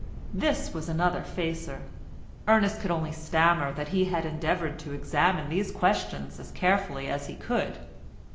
This was another facer. Ernest could only stammer that he had endeavoured to examine these questions as carefully as he could.